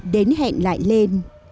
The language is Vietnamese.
đến hẹn lại lên